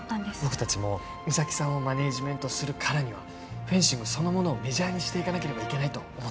僕達も三咲さんをマネージメントするからにはフェンシングそのものをメジャーにしていかなければいけないと思ってます